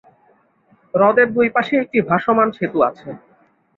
হ্রদের দুই পাশে একটি ভাসমান সেতু আছে।